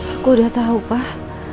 aku udah tau pak